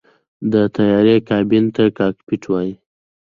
د طیارې کابین ته “کاکپټ” وایي.